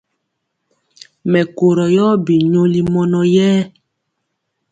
Mɛkorɔ yɔ bi nyoli mɔnɔ yɛ.